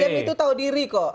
game itu tahu diri kok